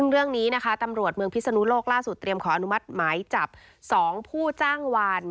เรื่องนี้นะคะตำรวจเมืองพิศนุโลกล่าสุดเตรียมขออนุมัติหมายจับ๒ผู้จ้างวาน